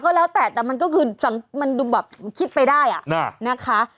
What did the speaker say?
ก็แล้วแต่แต่มันก็คือมันดูแบบคิดไปได้อ่ะนะคะ